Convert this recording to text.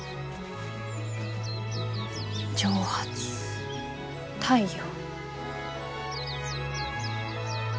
蒸発太陽。